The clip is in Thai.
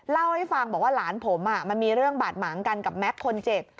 เล่าให้ฟังบอกว่าหลานผมมันมีเรื่องบาดหมางกันกับแม็กซ์คนเจ็บ